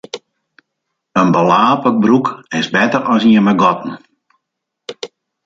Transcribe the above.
In belape broek is better as ien mei gatten.